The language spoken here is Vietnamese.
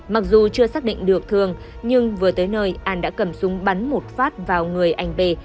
mặc dù chưa xác định được thương nhưng vừa tới nơi an đã cầm súng bắn một phát vào người anh b